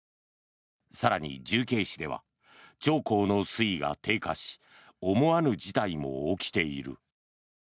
更に、重慶市では長江の水位が低下し思わぬ事態も起きている。